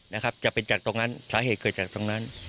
นะครับจะเป็นจากตรงนั้นสาเหตุเกิดจากตรงนั้น